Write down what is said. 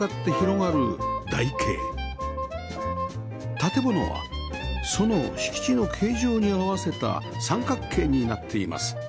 建物はその敷地の形状に合わせた三角形になっています